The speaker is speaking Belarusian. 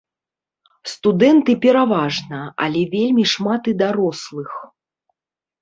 Студэнты пераважна, але вельмі шмат і дарослых.